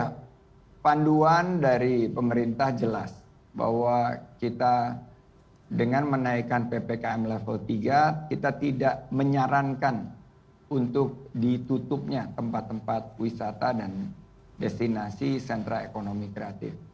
ya panduan dari pemerintah jelas bahwa kita dengan menaikkan ppkm level tiga kita tidak menyarankan untuk ditutupnya tempat tempat wisata dan destinasi sentra ekonomi kreatif